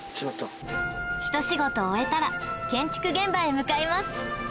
ひと仕事終えたら建築現場へ向かいます